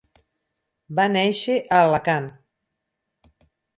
Va néixer a Alacant.